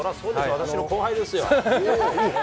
私の後輩ですよ。